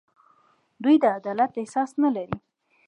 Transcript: دوی د عدالت احساس نه لري.